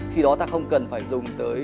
khi đó ta không cần phải dùng tới